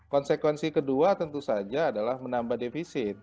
konsekuensi kedua tentu saja adalah menambah defisit